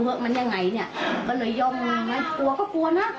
ทำไมไฟถึงเปิดอ๋ออันนี้มันก็เปิดอีกรอบนึง